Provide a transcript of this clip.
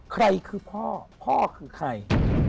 ใครคือพ่อพ่อคือใคร